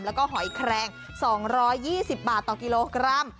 แล้วก็หอยแครง๒๒๐บาทต่อกิโลกรัม